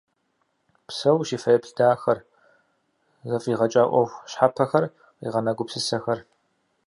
Псэущ и фэеплъ дахэр, зэфӏигъэкӏа ӏуэху щхьэпэхэр, къигъэна гупсысэхэр.